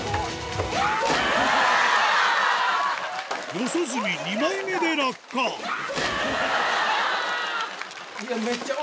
四十住２枚目で落下あぁ！